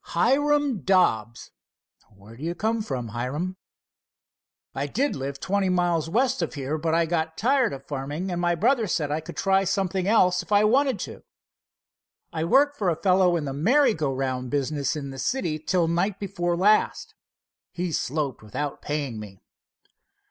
"Hiram Dobbs." "Where do you come from, Hiram?" "I did live twenty miles west of here, but I got tired of farming and my brother said I could try something else if I wanted to. I worked for a fellow in the merry go round business in the city till night before last. He sloped without paying me."